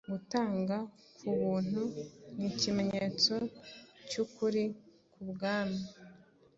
Gutanga kubuntu nikimenyetso cyukuri cyubwami